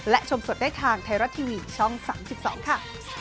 และชมสดได้ทางไทยรัฐทีวีช่อง๓๒ค่ะ